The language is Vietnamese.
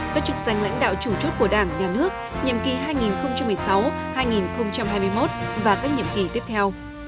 các trực sành lãnh đạo chủ chốt của đảng nhà nước nhiệm kỳ hai nghìn một mươi sáu hai nghìn hai mươi một và các nhiệm kỳ tiếp theo